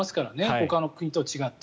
ほかの国と違って。